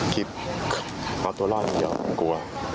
ใช่ครับ